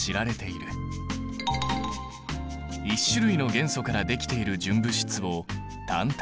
１種類の元素からできている純物質を単体。